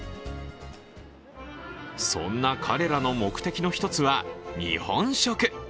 そんな彼らの目的の１つは日本食。